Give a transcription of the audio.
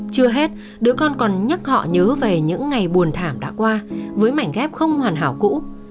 chưa hết đứa con còn nhắc họ nhớ về những ngày buồn thảm đã qua với mảnh ghép không hoàn hảo cũ